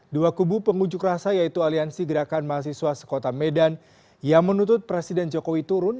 dua kubu pengunjuk rasa yaitu aliansi gerakan mahasiswa sekota medan yang menuntut presiden jokowi turun